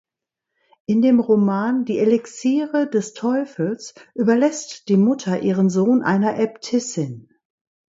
In dem Roman "Die Elixiere des Teufels" überlässt die Mutter ihren Sohn einer Äbtissin.